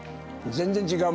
全然違う。